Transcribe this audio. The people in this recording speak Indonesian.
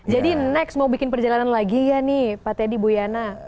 jadi next mau bikin perjalanan lagi ya nih pak teddy bu yana